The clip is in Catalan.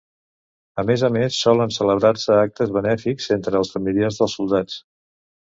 A més a més solen celebrar-se actes benèfics entre els familiars dels soldats.